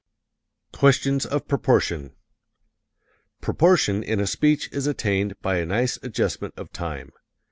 Questions of Proportion Proportion in a speech is attained by a nice adjustment of time.